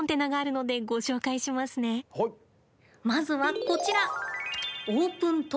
まずはこちら。